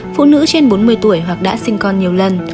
phụ nữ trên bốn mươi tuổi hoặc đã sinh con nhiều lần